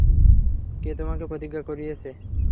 কে তোমাকে প্রতিজ্ঞা করিয়েছে?